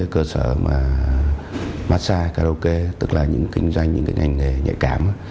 cơ sở mà massage karaoke tức là những kinh doanh những ngành nghề nhạy cảm